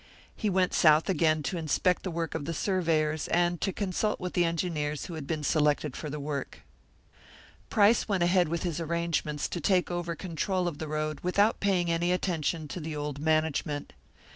He went South again to inspect the work of the surveyors, and to consult with the engineers who had been selected for the work. Price went ahead with his arrangements to take over the control of the road, without paying any attention to the old management.